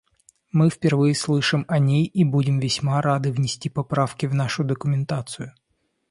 Мы впервые слышим о ней и будем весьма рады внести поправки в нашу документацию.